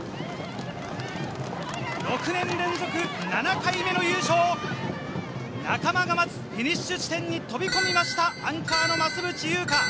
６年連続７回目の優勝、仲間が待つ、フィニッシュ地点に飛び込みました、アンカーの増渕祐香。